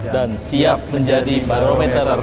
dan siap menjadi barometer